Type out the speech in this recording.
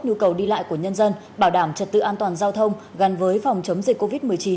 nhu cầu đi lại của nhân dân bảo đảm trật tự an toàn giao thông gắn với phòng chống dịch covid một mươi chín